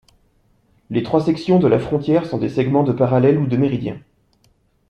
Les trois sections de la frontière sont des segments de parallèle ou de méridien.